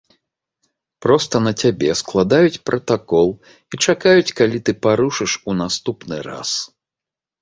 Проста на цябе складаюць пратакол і чакаюць, калі ты парушыш у наступны раз.